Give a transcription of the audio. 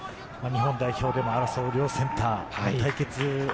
日本代表でも争う、両センター対決。